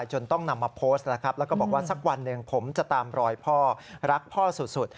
จนต้องนำมาโพสต์นะครับแล้วก็บอกว่าสักวันหนึ่งผมจะตามรอยพ่อรักพ่อสุด